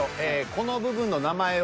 この部分の名前を。